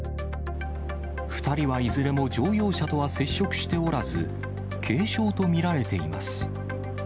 ２人はいずれも乗用車とは接触しておらず、軽傷と見られています。